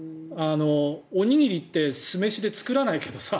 おにぎりって酢飯で作らないけどさ。